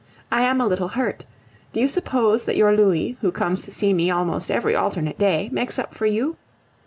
I am a little hurt. Do you suppose that your Louis, who comes to see me almost every alternate day, makes up for you?